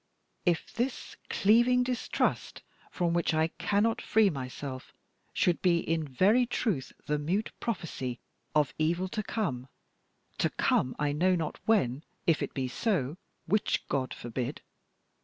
"If this cleaving distrust from which I cannot free myself should be in very truth the mute prophecy of evil to come to come, I know not when if it be so (which God forbid!)